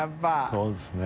そうですね。